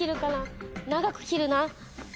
長く切るなぁ。